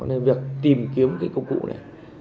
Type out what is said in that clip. nên việc tìm kiếm cái công cụ này